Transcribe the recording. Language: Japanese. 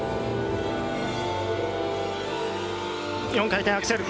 ４回転アクセル。